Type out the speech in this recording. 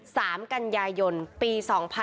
สามกัญญายนปี๒๕๖๐